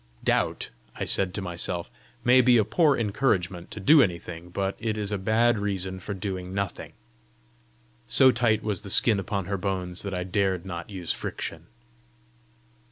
"Doubt," I said to myself, "may be a poor encouragement to do anything, but it is a bad reason for doing nothing." So tight was the skin upon her bones that I dared not use friction.